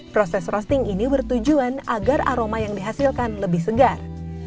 proses roasting ini bertujuan agar aroma yang dihasilkan lebih segar